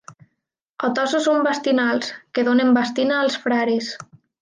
A Tossa són bastinals, que donen bastina als frares.